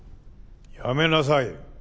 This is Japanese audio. やめなさい。